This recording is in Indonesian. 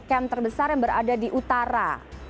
camp terbesar yang berada di utara